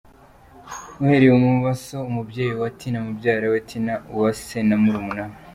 Uhereye i Bumoso; Umubyeyi wa Tina, mubyara we, Tina Uwase na murumuna we.